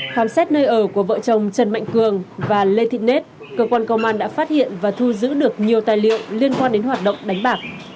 khám xét nơi ở của vợ chồng trần mạnh cường và lê thị net cơ quan công an đã phát hiện và thu giữ được nhiều tài liệu liên quan đến hoạt động đánh bạc